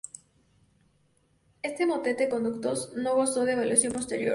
Este "motete-conductus" no gozó de evolución posterior.